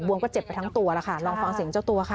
วมก็เจ็บไปทั้งตัวแล้วค่ะลองฟังเสียงเจ้าตัวค่ะ